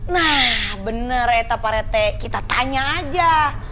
nah bener eta pak rt kita tanya aja